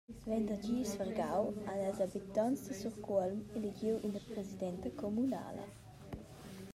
Vendergis vargau han ils habitonts da Surcuolm elegiu ina presidenta communala.